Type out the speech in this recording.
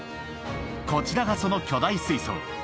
こちらがその巨大水槽。